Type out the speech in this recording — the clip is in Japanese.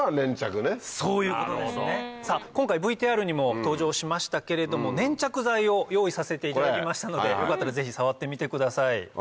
今回ＶＴＲにも登場しましたけれども粘着剤を用意させていただきましたのでよかったらぜひ触ってみてください。